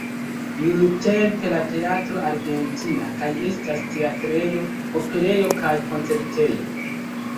Nuntempe la Teatro Argentina kaj estas teatrejo, operejo kaj koncertejo.